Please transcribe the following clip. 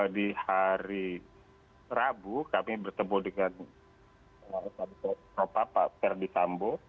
di hari rabu kami bertemu dengan pak ferdisambo